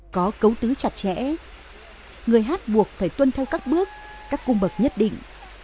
người hát trẻ người hát buộc phải tuân theo các bước các cung bậc nhất định